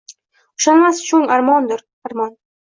Ushalmas choʼng armondir, armon.